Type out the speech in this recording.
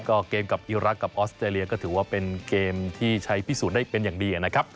ก็เกมกับอีรักษ์กับออสเตรเลียก็ถือว่าเป็นเกมที่ใช้พิสูจน์ได้เป็นอย่างดีนะครับ